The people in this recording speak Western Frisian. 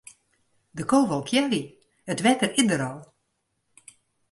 De ko wol kealje, it wetter is der al.